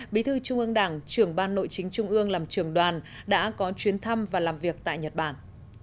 bí thư trung ương đảng trưởng ban nội chính trung ương làm trưởng đoàn đã có chuyến thăm và làm việc tại nhật bản